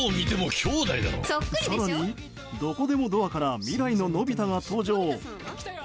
更に、どこでもドアから未来ののび太が登場。